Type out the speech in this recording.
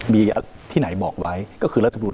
มีที่ไหนบอกไว้ก็คือรัฐมนุน